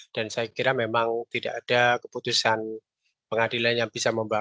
dan saya kira memang tidak ada keputusan pengadilan yang bisa memungkinkan